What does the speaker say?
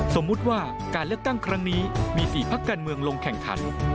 สมมุติว่าการเลือกตั้งครั้งนี้มี๔พักการเมืองลงแข่งขัน